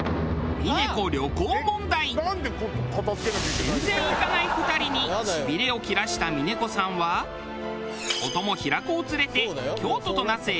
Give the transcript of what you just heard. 全然行かない２人に痺れを切らした峰子さんはお供平子を連れて京都と那須へ下見旅行。